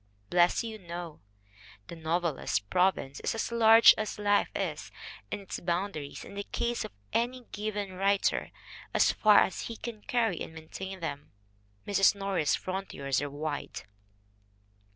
Bless you, no; the novelist's province is as large as life is, and its boundaries in the case of any given writer as far as he can carry and maintain them. Mrs. Norris's frontiers are wide.